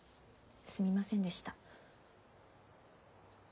すみませんでした。